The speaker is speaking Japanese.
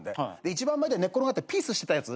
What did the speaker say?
一番前で寝っ転がってピースしてたやつ。